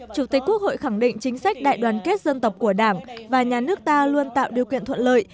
chủ tịch quốc hội khẳng định chính sách đại đoàn kết dân tộc của đảng và nhà nước ta luôn tạo điều kiện thuận lợi